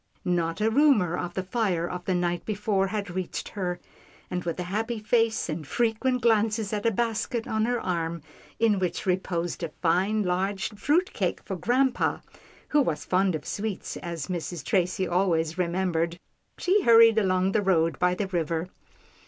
Not a rumour of the fire of the night before had reached her, and with a happy face, and frequent glances at a basket on her arm, in which reposed a fine, large fruit cake for grampa, who was fond of sweets as Mrs. Tracy always remembered, she hurried along the road by the river.